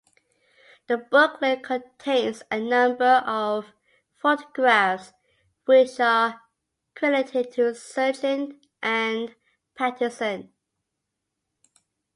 The booklet contains a number of photographs which are credited to Sergeant and Pattinson.